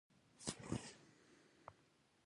هغه به خپلو شریکانو ته وړاندې کړو